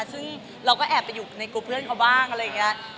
ซึ่งเราก็แอบไปอยู่ในกลุ่มเพื่อนเขาบ้างอะไรอย่างนี้